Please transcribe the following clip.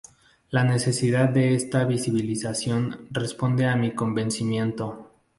la necesidad de esta visibilización responde a mi convencimiento